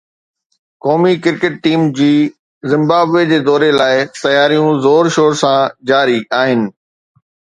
قومي cricket team جي Zimbabwe جي دوري لاءِ تياريون زور شور سان جاري آهن